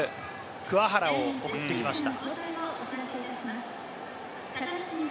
桑原を送ってきました。